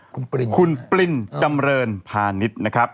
คุณปรินคุณปรินจำเรินพาณิชย์นะครับ